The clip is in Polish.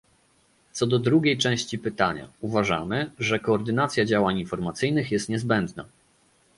Co do drugiej części pytania, uważamy, że koordynacja działań informacyjnych jest niezbędna